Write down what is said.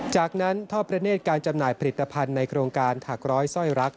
จากนั้นท่อประเนธการจำหน่ายผลิตภัณฑ์ในโครงการถักร้อยสร้อยรัก